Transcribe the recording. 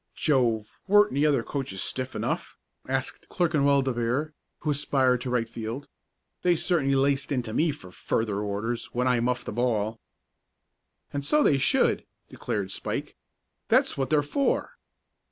"Jove, weren't the other coaches stiff enough?" asked Clerkinwell De Vere, who aspired to right field. "They certainly laced into me for further orders when I muffed a ball." "And so they should," declared Spike. "That's what they're for."